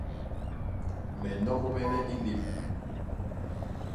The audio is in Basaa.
Me nnogbene i lép.